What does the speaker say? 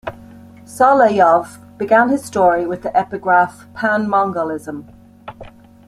Solovyov began his story with the epigraph: Pan Mongolism!